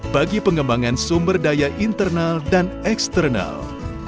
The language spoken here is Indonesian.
bagi pengembangan sumber daya internal dan eksternal